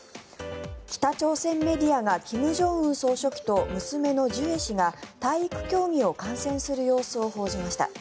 北朝鮮メディアが金正恩総書記と娘のジュエ氏が体育競技を観戦する様子を報じました。